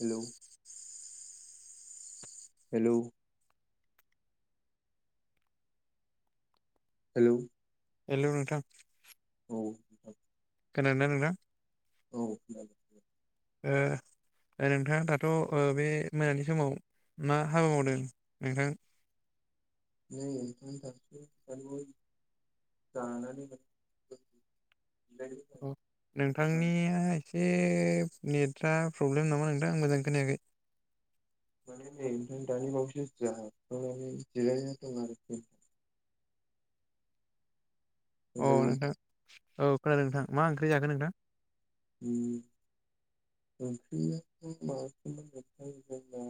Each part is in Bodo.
हेल' हेलौ हेलौ हेलौ नोंथां। औ खोनादों ना नोंथा? औ ओ ओ नोंथाङा दाथ' बे मोनानि समाव मा हाबा मावदों नोंथां? [unintelligible] [unintelligible] जानानै नोंथांनिया- बे नेटफ्रा प्रब्लेम नामा नोंथां आं मोजां खोनायाखै माने नै दानि बावैसो जाखांनानै जिरायना दं आरोखि अ नोंथां औ खोनादों नोंथां मा ओंख्रि जागोन नोंथां? उ ओंख्रिया माबासोमोन जोंना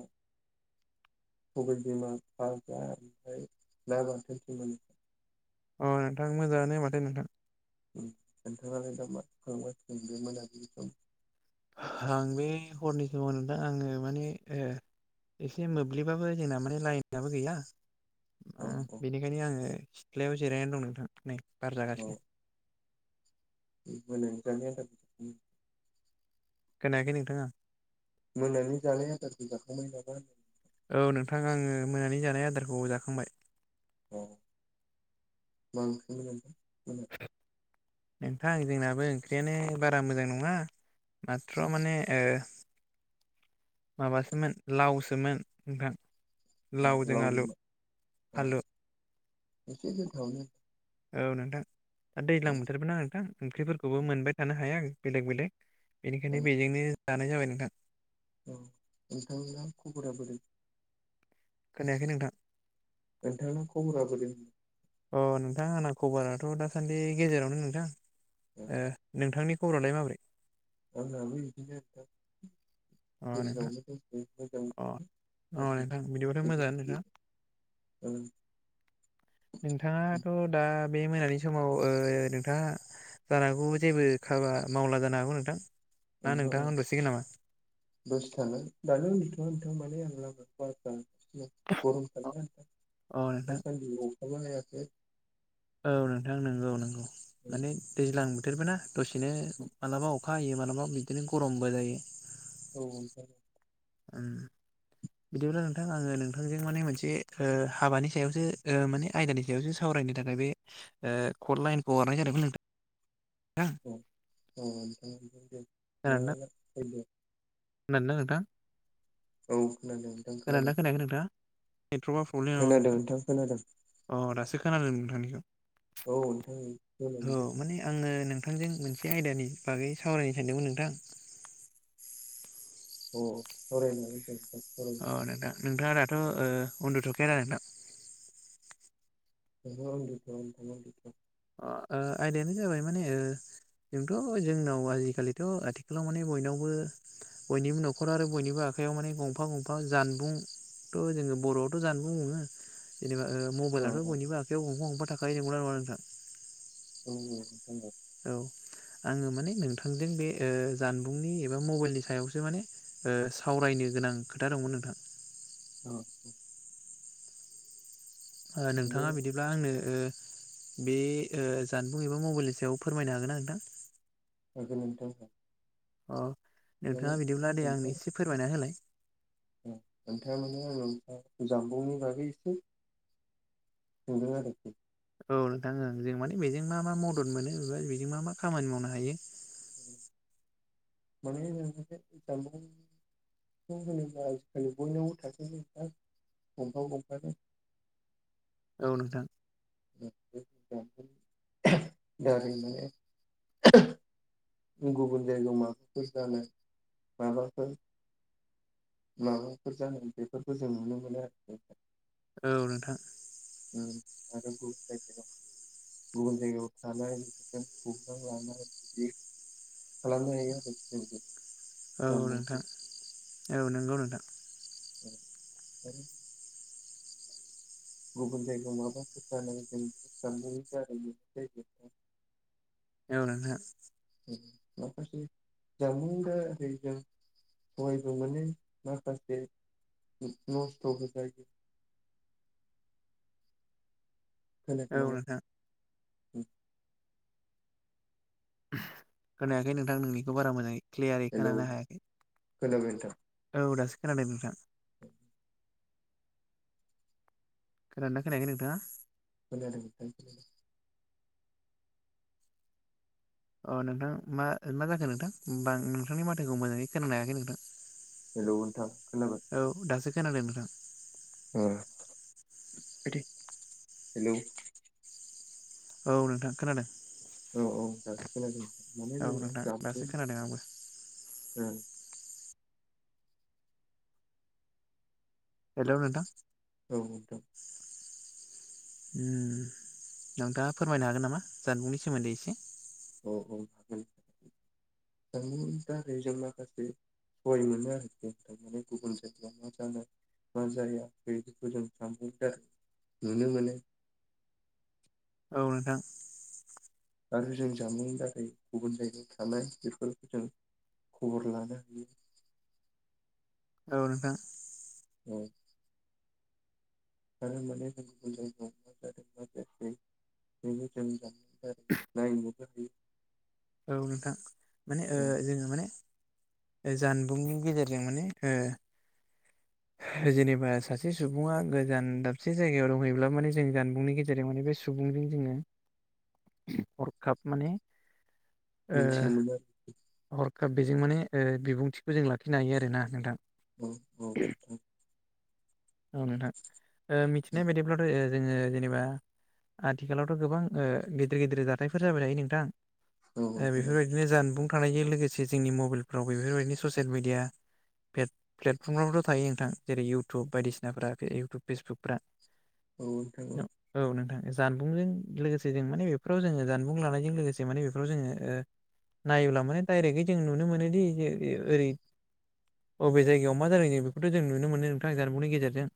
सबाय बिमा फजा ओमफ्राय ना बाथोन सोमोन। अ नोंथां मोजाङानो माथो नोंथां नोंथांङालाय दा माथो खालामगासिगोन बे मोनाबिलि सम? आं बे हरनि समाव नोंथां आङो माने ओ एसे मोब्लिबाबो जोंना माने लाइनाबो गैया औ औ बेनिखायनो आङो सिथ्लायाव जिरायनानै दं नोंथां नै बार औ जागासिनो। मोनानि जानाय आदारखौ खोनायाखै नोंथां आं- मोनानि जानाय आदारखौ जाखांबाय नामा होनदों औ नोंथां आङो मोनानि जानाय आदारखौ औ जाखांबाय। अ मा ओंख्रिमोन नोंथा नोंथां जोंनाबो ओंख्रियानो बारा मोजां नङा माथ्र माने ओ माबासोमोन लावसोमोन नोंथां- औ लावजों मा अ आलु एसे गोथावानो। औ नोंथां दा दैज्लां बोथोरबो ना नोंथां ओंख्रिफोरखौबो मोनबाय थानो हाया बेलेग बेलेग औ बेनिखायनो बेजोंनो जानाय जाबाय नोंथां। औ नोंथांना खबरा बोरै? खोनायाखै नोंथां नोंथांना खबरा बोरै? अ नोंथां आंना खबराथ' दासान्दि गेजेरावनो नोंथां ओ नोंथांनि ओ नोंथांनि खबरालाय माबोरै? आंनाबो बिदिनो आरो अ नोंथां गेजेरावनो दंथ'यो। अ मोजां अ गाज्रि नोंथां बिदिबाथ' बिदिनो मोजाङानो नोंथां ओ नोंथाङाथ' दा बे मोनानि समाव ओ नोंथाङा जानो हागौ जेबो हाबा मावला जानो हागौ नोंथां? ना ओहो नोंथां ओहो होनथ'सिगोन नामा दसे थागोन दानो उन थ'वा नोंथां आं माने लामायावसो बार अ नोंथां [inaudible] [inaudible] औ नोंथां नंगौ नंगौ औ माने दैज्लां बोथोरबो ना दसेनो मालाबा अ खा हायो मालाबा बिदिनो गरमबो जायो। औ नोंथां उम बिदिब्ला नोंथां आङो नोंथांजों माने मोनसे ओ हाबानि सायावसो ओ माने आयदानि सायावसो साव रायनो थाखाय बे ओ कल लाइनखौ हरनाय जादोंमोन नोंथां औ औ खोनादोंना [inaudible] खोनादोंना नोंथां? औ खोनादों नोंथां खोनादोंना खोनादों खोनायाखै नोंथाङा नेटवर्कआ प्रब्लेम नामा खोनादों नोंथां खोनादों अ दासो खोनादों नोंथांनिखौ। औ औ नोंथां माने आङो नों थांजों मोनसे आयदानि बागै सावरायनो सानदोंमोन नोंथां अ सावरायनो हागोन दे अ नोंथां नोंथाङा दाथ' ओ उन्दुथ'खाया ना नोंथां? [inaudible] अ ओ आयदायानो जाबाय माने ओ जोंथ' जोंनाव आजिखालिथ' आथिखालाव माने बयनावबो बयनिबो न'खर आरो बयनिबो आखायाव माने गंफा गंफा जानबुं थ' जोङो बर'आवथ' जानबुं बुङो जेनबा औ मबाइलाथ' बयनिबो आखायाव गंफा गंफा थाखायो नंगौना नङा नोंथां? उम नंगौ औ आङो माने नोंथांजों बे ओ जानबुंनि एबा मबाइलनि सायावसो माने ओ सावरायनो गोनां खोथा दंमोन नोंथां। औ बे नोंथाङा बिदिब्ला आंनो बे जानबुं ओ एबा मबाइलनि सायाव फोरमायनो हागोन ना नोंथां? हागोन नोंथां अ माने नोंथाङा बिदिब्ला दे नोंथां आंनो एसे फोरमायना होलाय नोंथाङा माने आंनाव जानबुंनि बागै एसे सोंदों आरो औ नोंथां ओं जों माने बेजों मा मा मदद मोनो बेजों मा मा खामानि मावनो हायो [unintelligible] होनोबा आजिखालि बयनावबो थाखो जा गंफा गंफानो औ नोंथां [inaudible] गुबुन जायगायाव माबाफोर जानो माबाफोर माबाफोर जानाय बेफोरखौ जों नुनो मोनो [inaudible] औ नोंथां [inaudible] गुबुन जायगायाव थानाय [unintelligible] खालामनो हायो आरो [inaudible] औ नोंथां जामबुंजों औ नंगौ नोंथां। [inaudible] गुगोल पेखौ माबोरै बाहायगोन जानबुंनि दारै [unintelligible] [unintelligible] [unintelligible] जानबुंनि दारै जों सहायबो मोनो माखासे नस्थ'बो जायो। [inaudible] खोनायाखै औ नामा नोंथां [inaudible] खोनायाखै नोंथां नोंनिखौ बारा मोजाङै क्लियारै हेलौ खोनानो हायाखै। खोनाबाय नोंथां। औ दासो खोनाबाय नोंथां। [inaudible] खोनादों ना खोनायाखै नोंथाङा? खोनादों नोंथां। अ नोंथां मा मा जाखो नोंथां ओमबा नोंथांनि माथोखौ मोजाङै खोनानो हायाखै नोंथां। हेल नोंथा खोनाबाय? औ दासो खोनादों नोंथां। हेलौ औ नोंथां खोनादों। औ औ दासो खोनादों माने औ नोंथां दासो खोनादों आंबो [unintelligible] ओं हेलौ नोंथां। औ नोंथां [inaudible] उम नोंथाङा फोरमायनो हागोन नामा जानबुंनि सोमोन्दै इसे औ औ हागोन जानबुंनि दारै जों माखासे सहय मोनो आरोखि थारमाने गुबुन जायगाव मा जानो मा जाया बेफोरखौ जों जानबुंनि दारै नुनो मोनो, औ नोंथां। आरो जों जामुंनि दारै गुबुन जायगायाव थानाय बेफोरखौ जों खबर लानो हायो। औ नोंथां। औ आरो माने जों गुबुन जायगायाव मा जादों मा? ए बेनो जों [unintelligible] नायनोबो हायो। औ नोंथां माने ओ औ जोङो माने जानबुंनि गेजेरजों माने ओ जेनेबा सासे सुबुङा गोजान दाबसे जायगायाव दंहैब्ला माने जों जानबुंनि गेजेराव माने बे बे सुबुंजों जोङो हरखाब माने ओ मिथिनो मोनो आर हरखाब बेजों माने ओ बिबुंथिखो जों लाखिनो हायो आरोना नोंथां? औ औ नोंथां। औ नोंथां ओ मिथिनाय बायदिब्लाथ' ओ जोङो जेनेबा आथिखालावथ' गोबां ओ गिदिर गिदिर जाथायफोर जाबाय थायो नोंथां। औ ओ नोंथां बेफोरबायदिनो जानबुं थानायजों लोगोसे जोंनि मबाइलफ्राव बेफोरबायदिनो ससेल मिडिया पेट प्लेटफ्रमावबोथ' थायो नोंथां जेरै इउटुब बायदिसिनाफ्रा इउटुब फेसबुकफ्रा औ नोंथां औ नोंथां जानबुंजों लोगोसे जों माने बेफोराव जोङो जानबुं लानायजों लोगोसे माने बेफोराव जोङो ओ नायोब्ला माने दाइरेगै जों नुनो मोनोदि जे ओ ओरै अबे जायगायाव मा जालायदों बेखौथ' जों नुनो मोनो नोंथां जानबुंनि गेजेरजों।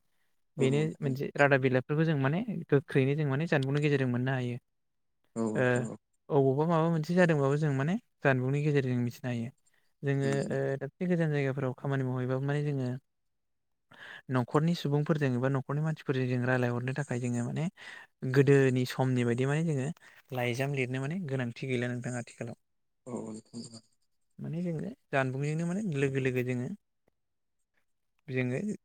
औ बेनो नोंथां मोनसे रादाब बिलाइफोरखौ जों माने गोख्रैनो जों माने जानबुंनि गेजेरजों मोननो हायो। औ नोंथां औ बवा माबा मोनसे जादोंबाबो जों माने जानबुंनि गेजेरजों मिथिनो हायो जोङो उम ओह दाख गोजान जायगाफोराव खामानि मावहैबाबो माने जोङो न'खरनि सुबुंफोरजों एबा न'खरनि मानसिफोरजों जों रायज्लायहरनो थाखाय जोङो माने गोदो दोनि समनि बायदि माने जोङो लाइजाम लिरनो माने गोनांथि गैला नोंथां आथिखालाव औ औ [unintelligible] माने जोङो जानबुंजोंनो माने लोगो लोगो जोङो जोङो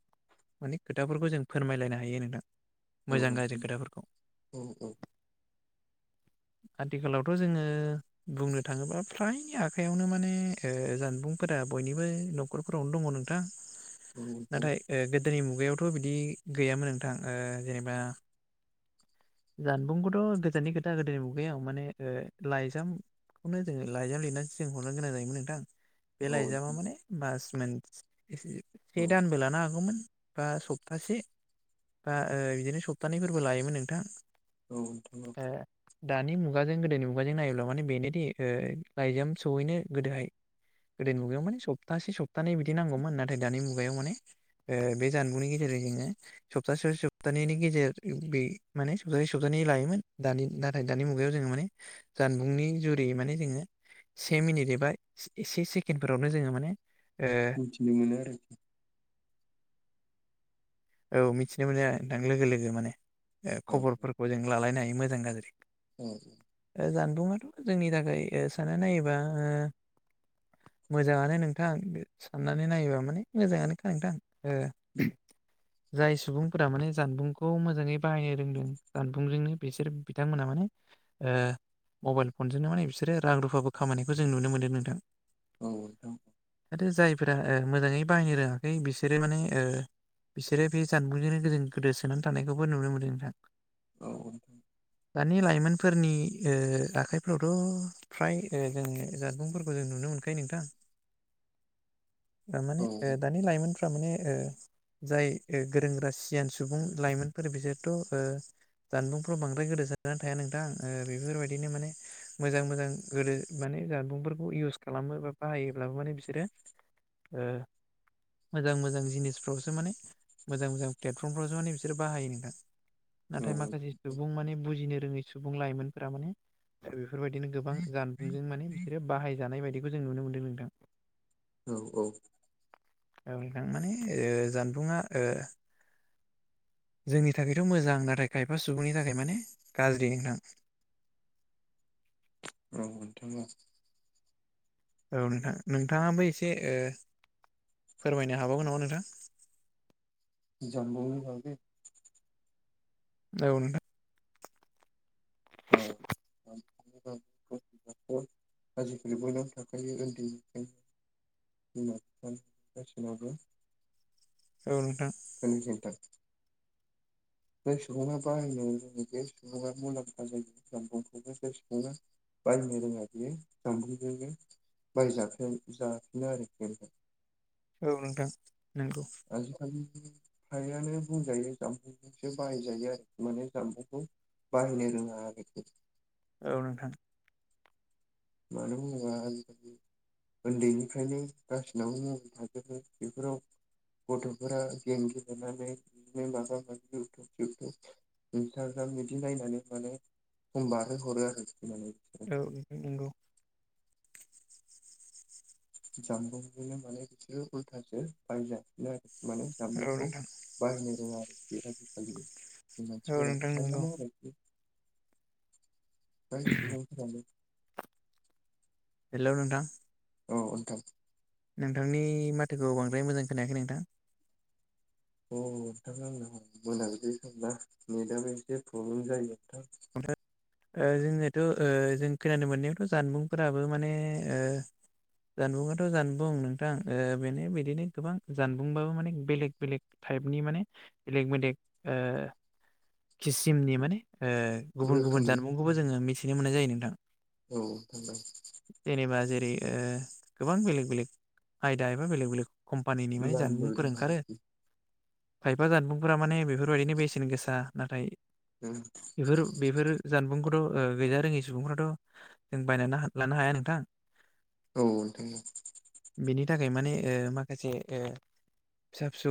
माने खोथाफोरखौ जों फोरमायलायनो हायो नोंथां औ मोजां गाज्रि नोंथां खोथाफोरखौ औ औ आथिखालावथ' जोङो बुंनो थाङोबा फ्रायनि आखायावनो माने ओ जानबुंफोरा बयनिबो न'खरफोरावनो दङ नोंथां औ नोंथां नाथाय ओ गोद दोनि मुगायावथ' बिदि गैयामोन नोंथां ओह जेनेबा जानबुंखौथ' गोजाननि खोथा गोदोनि मुगायाव माने ओह लाइजामखौनो जोङो लाइजाम लिरनानैसो जों हरनो गोनां जायोमोन नोंथां बे औ लाइजामा नोंथां माने मास मोन ए से औ सेदानबो लानो हागौमोन बा सप्तासे बा ओ बिदिनो सप्तानै औथ [unintelligible] दानि मुगाजों गोदोनि मुगाजों नायोब्ला माने बेनोदि लाइजाम सहैनो गोदोहाय। गोदो मुगायाव माने सप्तासे सप्तानैै बिदि नांगौमोन नाथाय दानि मुगायाव माने बे जानबुंनि गेजेराव स्तासे सप्तानैनि गेजेर बे माने सप्तसे सप्तानै लायोमोन दानि नाथाय दानि मुगायाव जोङो माने जानबुंनि जुरै माने जोङो से मिनिट एबा सेसे सेकेन्डफोरावनो जोङो माने ओ मिथिनो मोनो आरोखि औ मिथिनो मोनो नोंथां लोगो लोगो माने खबरफोरखौ जों लालायनो हायो मोजां गाज्रि औ जानबुंङाथ' जोंनि थाखाय साना नायोबा मोजाङानो नोंथां साननानै नायोबा माने मोजाङानोखा नोंथां ओ जाय सुबुंफोरा माने जानबुंखौ मोजाङै बाहायनो रोंदों जानबुंजोंनो बिसोर बिथांमोना माने मबाइल फनजोंनो माने बिसोरो रां रुफाबो खामायनायखौ जों नुनो मोनदों नोंथां औ दं आरो जायफोरा ओ मोजाङै बाहायनो रोङाखै बिसोरो माने ओ बिसोरो बे जानबुंजोंनो गो गोदोसोनानै थानायखौबो नुनो मोनदों नोंथां औ दानि लाइमोनफोरनि आखाइफ्रावथ' फ्राय ओ जोङो जानबुंफोरखौ जों नुनो मोनखायो नोंथां औ माने दानि लाइमोन फ्राइ माने ओ जाय गोरों गोरा सियान सुबुं लाइमोनफोर बिसोरथ' ओ जानबुंफ्राव बांद्राय गोदोसोनानानै थाया नोंथां ओ बेफोरबायदिनो माने मोजां मोजां गोदो माने जानबुंफोरखौ इउस खालामो बा बाहायोब्लाबो माने बिसोरो ए मोजां मोजां जिनिसफ्रावसो माने मोजां मोजां प्लेटफर्मफ्रावसो माने बिसोर बाहायो नोंथां औ नाथाय माखासे सुबुं माने बुजिनो रोङै सुबुं लाइमोनफोरा माने बेफोरबायदिनो गोबां जानबुंजों माने बिसोरो बाहायजानाय बायदिखौ जों नुनो मोनदों नोंथां औ औ औ नोंथां माने ओ जानबुंङा ओ जोंनि थाखायथ' मोजां नाथाय खायफा सुबुंनि थाखाय माने गाज्रि नोंथां औ मोनथाम औ नोंथां नोंथाङाबो एसे ओ फोरमायनो हाबावगौ नामा नोंथां जानबुंनि बागै औ नोंथां औ [inaudible] आजिखालि बयनावबो थाखायो उन्दैनिफ्राय बिमा बिफानाव गासैनावबो औ नोंथां [unintelligible] जाय सुबुङा बाहायनायाव [inaudible] बे सुबुङा मुलाम्फा जायो [inaudible] मखौबो जाय सुबङा बाहायनो रोङा बियो जानबुंजोंनो [unintelligible] औ नोंथां नंगौ आजि खालि हायानो बुंजायो जामफुंसो बाहायजायो आरो माने जामफुंखौ बाहायनो रोङा आरो [inaudible] औ नोंथां मानो बुङा आजिखालि उन्दैनिफ्रायनो गासिनावबो मबाइल थाजोबो बेफोराव गथ'फोरा गेम गेलेनानै बिदिनो माबामाबि जथुब बिदि नायनानै माने सम बारहो हरो आरो नायनानै औ नोंथां नंगौ जामबुंजोंनो माने बिसोरो उल्थासो बाहायजाफिनो आरो माने औ जामबुंखौ नोंथां बाहायनो रोङा आरो आरोखि आजिखालि औ मानसिफोरा नोंथां नंगौ फ्रायानो आरो बिदि फ्राय सुबुंफोरानो हेल' नोंथां औ नोंथां नोंथांनि माथोखौ बांद्राय मोजां खोनायाखै नोंथां अ नोंथां आंनाव मोनाबिलि सानना नेटआबो एसे प्रब्लेम जायो नोंथां ओ जोंनि थ' जों खोनानो मोननायावथ' जानबुंफोराबो माने ओ जानबुङाथ' जानबुं नोंथां बेनो बिदिनो गोबां जानबुंबाबो माने बेलेग बेलेक था टाइपनि माने इलेकमेक किसिमनि माने गुबुन गुबुन रोखोमनि जानबुंखौबो जोङो मिथिनो मोननाय जायो नोंथां औ नोंथां औ जेनेबा जेरै ओ गोबां बेलेग बेलेग आयदा एबा बेलेग बेलेग कम्पानिनि औ मानि नामबो दं जानबुंफोर ओंखारो आरोखि खायफा जानबुंफोरा माने बेफोरबायदिनो बेसेन गोसा नाथाय औ बेफोर बेफोर जानबुंखौथ' गैजा रोङै सुबुंफ्राथ' जों बायनानै लानो हाया नोंथां औ नोंथां औ बेनि थाखाय माने ओ माखासे ओ फिसा फिसौ